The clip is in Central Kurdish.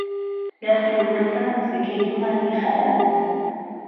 یاخیبوونەکە نزیکەی دوو مانگی خایاند.